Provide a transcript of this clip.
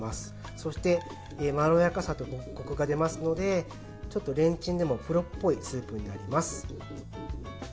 そして、まろやかさとこくが出ますのでちょっとレンチンでもプロっぽいスープになります。